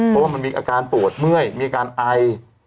เพราะว่ามันมีอาการปวดเมื่อยมีอาการไอ